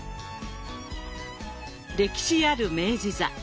歴史ある明治座。